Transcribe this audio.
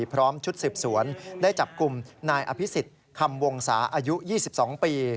พร้อมชุดสืบสวนได้จับกลุ่มนายอภิษฎคำวงศาอายุ๒๒ปี